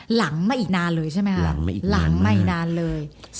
หลังมาอีกนานเลยใช่ไหมคะหลังมาอีกนานเลย